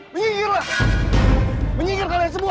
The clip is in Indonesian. menyinggirlah menyinggir kalian semua